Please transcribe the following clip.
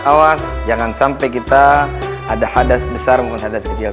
awas jangan sampai kita ada hadas besar mungkin hadas kecil